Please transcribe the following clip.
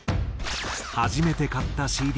「初めて買ったＣＤ